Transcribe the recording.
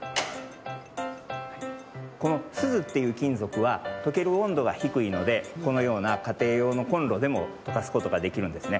このすずっていうきんぞくはとけるおんどがひくいのでこのようなかていようのコンロでもとかすことができるんですね。